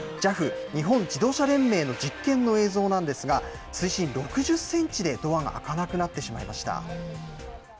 ＪＡＦ・日本自動車連盟の実験の映像なんですが、水深６０センチでドアが開かなくなってしまいました。